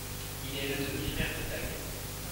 Il est le demi-frère de Tag.